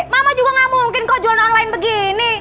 mama juga nggak mungkin kau jualan online begini